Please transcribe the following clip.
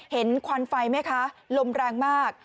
ควันไฟไหมคะลมแรงมาก